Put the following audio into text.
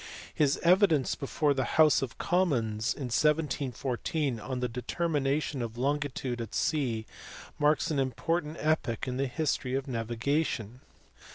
His evidence before the House of Commons in 1714 on the determination of longitude at sea marks an important epoch in the history of navigation.